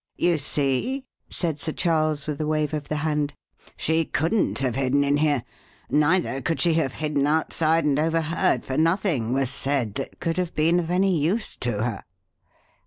"You see," said Sir Charles, with a wave of the hand, "she couldn't have hidden in here, neither could she have hidden outside and overheard, for nothing was said that could have been of any use to her."